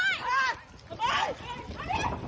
เฮ้ยเฮ้ยเฮ้ยเฮ้ยเฮ้ยเฮ้ยเฮ้ย